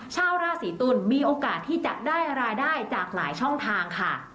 ชาวราศีตุลมีโอกาสที่จะได้รายได้จากหลายช่องทางค่ะ